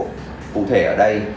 cụ thể ở đây